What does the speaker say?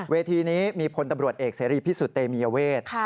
เวทีนี้มีพลตำรวจเอกเสรีพิสุทธิ์เตมียเวท